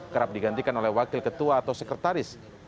kerap digantikan oleh wakil ketua atau sekretaris